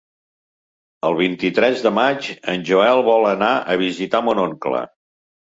El vint-i-tres de maig en Joel vol anar a visitar mon oncle.